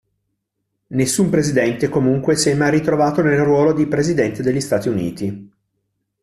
Nessun presidente, comunque, si è mai ritrovato nel ruolo di Presidente degli Stati Uniti.